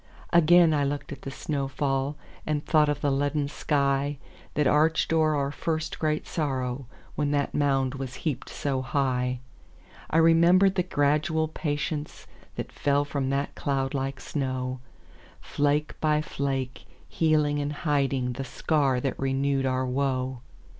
Again I looked at the snow fall, And thought of the leaden skyThat arched o'er our first great sorrow, When that mound was heaped so high.I remembered the gradual patienceThat fell from that cloud like snow, Flake by flake, healing and hidingThe scar that renewed our woe.